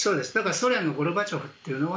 ソ連のゴルバチョフというのは